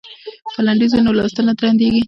که لنډیز وي نو لوستل نه درندیږي.